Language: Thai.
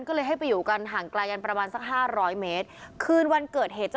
ก็เลยให้ไปอยู่กันห่างไกลกันประมาณสัก๕๐๐เมตร